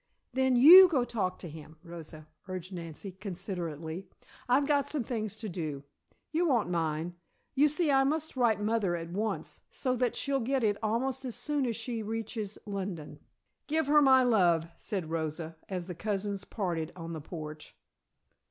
"Then you go talk to him, Rosa," urged Nancy, considerately. "I've got some things to do. You won't mind. You see, I must write mother at once, so that she'll get it almost as soon as she reaches London." "Give her my love," said Rosa, as the cousins parted on the porch.